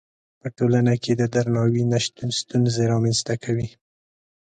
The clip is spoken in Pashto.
په ټولنه کې د درناوي نه شتون ستونزې رامنځته کوي.